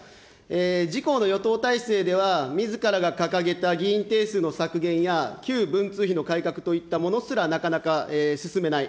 自公の与党体制では、みずからが掲げた議員定数の削減や、旧文通費の改革といったものすらなかなか進めない。